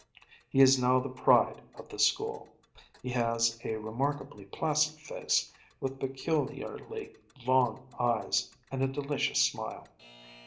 He is now the pride of the school. He has a remarkably placid face, with peculiarly long eyes, and a delicious smile.